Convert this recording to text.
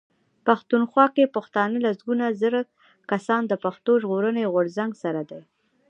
پښتونخوا کې پښتانه لسګونه زره کسان د پښتون ژغورني غورځنګ سره دي.